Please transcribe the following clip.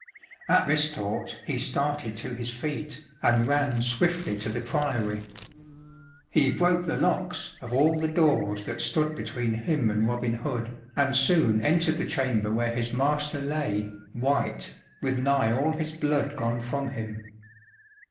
At this thought he started to his feet, and ran swiftly to the Priory. He broke the locks of all the doors that stood between him and Robin Hood, and soon entered the chamber where his master lay, white, with nigh all his blood gone from him.